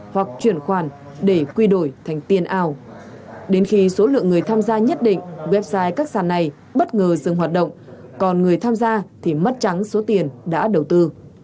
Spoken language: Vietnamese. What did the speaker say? hoặc chuyển khoản để quy đổi thành tiền ảo đến khi số lượng người tham gia nhất định website các sàn này bất ngờ dừng hoạt động còn người tham gia thì mất trắng số tiền đã đầu tư